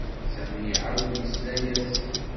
Sami iɛawed yesla-as.